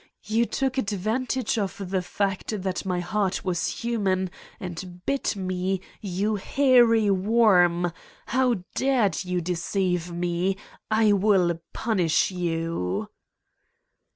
You took advan tage of the fact that my heart was human and bit me, you hairy worm. How dared you deceive me ? I will punish you."